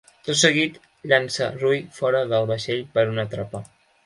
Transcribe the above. Tot seguit llança Ruy fora del vaixell per una trapa.